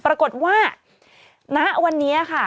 ปรากฏว่าณวันนี้ค่ะ